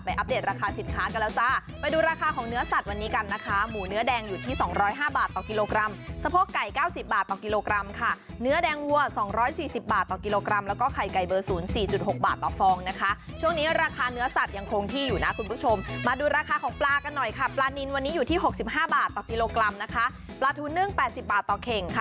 ปลาทูเนื่อง๘๐บาทต่อเข่ง